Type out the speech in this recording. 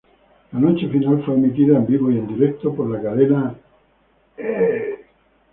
La noche final fue emitida en vivo y en directo por la cadena E!.